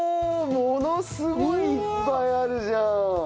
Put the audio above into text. ものすごいいっぱいあるじゃん。